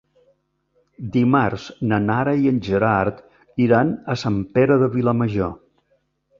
Dimarts na Nara i en Gerard iran a Sant Pere de Vilamajor.